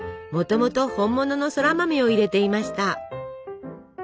もともと本物のそら豆を入れていました。